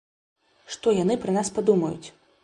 Што яны пра нас падумаюць?